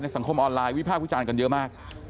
ในสังคมออนไลน์วิภาพกลุ่มการเยอะมาก